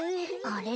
あれ？